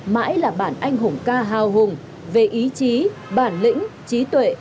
mãi là bản anh hùng ca hào hùng về ý chí bản lĩnh trí tuệ